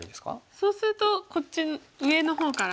そうするとこっち上の方から。